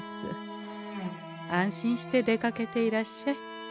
安心して出かけていらっしゃい。